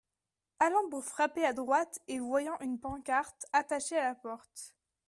Allant pour frapper à droite et voyant une pancarte attachée à la porte.